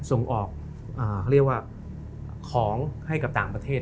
ส่งออกเขาเรียกว่าของให้กับต่างประเทศ